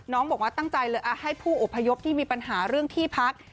น้องบอกว่าตั้งใจเลยให้ผู้อพยพที่มีปัญหาเรื่องที่พัก